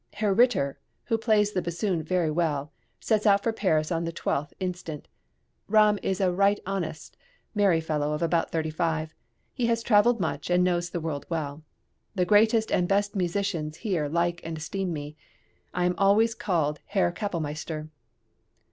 Herr Ritter, who plays the bassoon very well, sets out for Paris on the 12th inst. Ramm is a right honest, merry fellow of about thirty five; he has travelled much, and knows the world well. The greatest and best musicians here like and esteem me. I am always called Herr Kapellmeister.